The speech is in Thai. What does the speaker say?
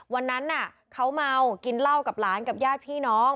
วันนั้นเขาเมากินเหล้ากับหลานกับญาติพี่น้อง